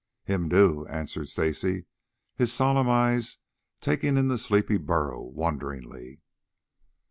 "Him do," answered Stacy, his solemn eyes taking in the sleepy burro wonderingly.